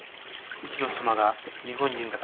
うちの妻が日本人だからね。